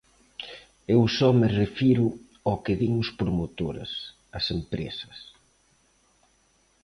Eu só me refiro ao que din os promotores, as empresas.